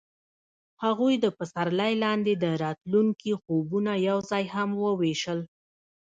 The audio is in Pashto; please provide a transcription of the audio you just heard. هغوی د پسرلی لاندې د راتلونکي خوبونه یوځای هم وویشل.